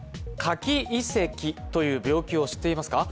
柿胃石という病気を知っていますか？